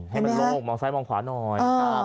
ให้มันโล่งมองซ้ายมองขวาหน่อย